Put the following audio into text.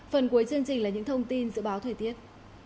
phần cuối chương trình là những thông tin dự báo thời tiết